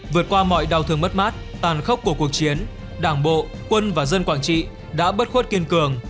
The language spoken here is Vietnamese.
vượt qua mọi đau thương mất mát tàn khốc của cuộc chiến đảng bộ quân và dân quảng trị đã bất khuất kiên cường